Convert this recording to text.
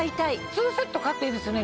２セット買っていいですよね？